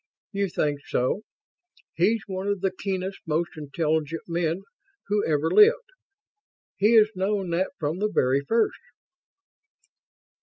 "You think so? He's one of the keenest, most intelligent men who ever lived. He has known that from the very first."